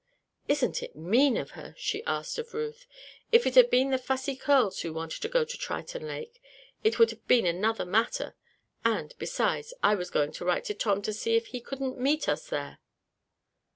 "Isn't it mean of her?" she asked of Ruth. "If it had been the Fussy Curls who wanted to go to Triton Lake, it would have been another matter. And besides I was going to write to Tom and see if he couldn't meet us there."